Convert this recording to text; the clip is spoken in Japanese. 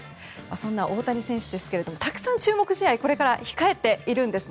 そんな大谷選手ですがたくさん注目試合がこれから控えているんです。